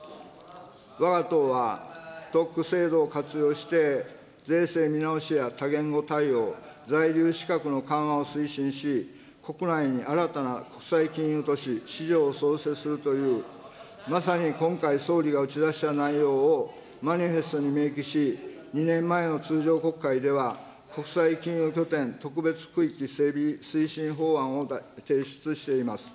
わが党は、特区制度を活用して税制見直しや多言語対応、在留資格の緩和を推進し、国内に新たな国際金融都市・市場を創設するというまさに今回総理が打ち出した内容をマニフェストに明記し、２年前の通常国会では、国際金融拠点特別区域整備推進法案を提出しています。